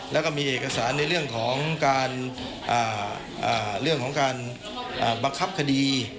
แล้วก็มีเอกสารในเรื่องของการบังคับคดี